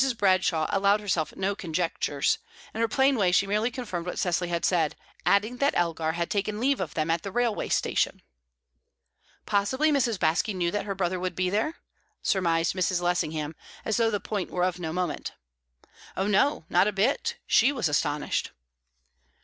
Bradshaw allowed herself no conjectures; in her plain way she merely confirmed what Cecily had said, adding that Elgar had taken leave of them at the railway station. "Possibly Mrs. Baske knew that her brother would be there?" surmised Mrs. Lessingham, as though the point were of no moment. "Oh no! not a bit. She was astonished."